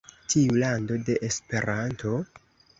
Tiu lando de Esperanto!?